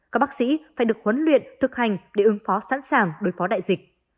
các bác sĩ phải được huấn luyện thực hành để ứng phó sẵn sàng đối phó đại dịch